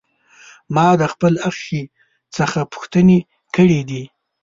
ما د خپل اخښي څخه پوښتنې کړې دي.